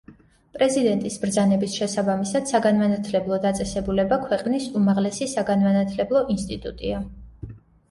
პრეზიდენტის ბრძანების შესაბამისად, საგანმანათლებლო დაწესებულება ქვეყნის უმაღლესი საგანმანათლებლო ინსტიტუტია.